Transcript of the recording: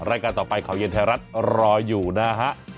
รายการต่อไปข่าวเย็นไทยรัฐรออยู่นะฮะ